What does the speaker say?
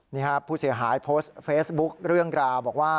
นี่ครับผู้เสียหายโพสต์เฟซบุ๊คเรื่องราวบอกว่า